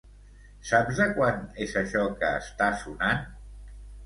Saps de quan és això que està sonant?